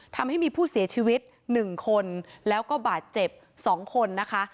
ทำให้มีผู้เสียชีวิต๑คนแล้วก็บาดเจ็บ๒คนนะคะ